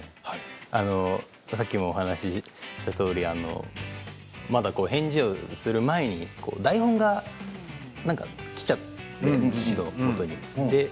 さっきもお話ししたとおりまだ返事をする前に台本がきちゃって、父のもとに。